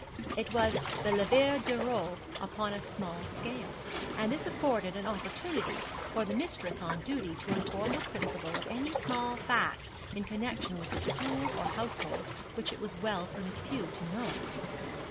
It was the lever du roi upon a small scale. And this afforded an opportunity for the mistress on duty to inform her principal of any small fact in connection with the school or household which it was well for Miss Pew to know.